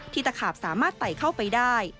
ตะขาบสามารถไต่เข้าไปได้